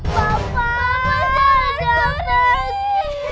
papa jangan pergi